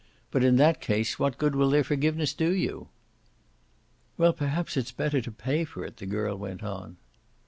But in that case what good will their forgiveness do you?" "Well, perhaps it's better to pay for it," the girl went on.